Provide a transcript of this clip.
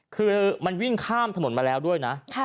คือมันวิ่งข้ามถนนมาแล้วด้วยนะ